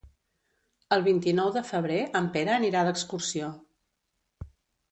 El vint-i-nou de febrer en Pere anirà d'excursió.